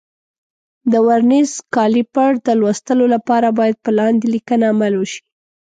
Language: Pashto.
د ورنیز کالیپر د لوستلو لپاره باید په لاندې لیکنه عمل وشي.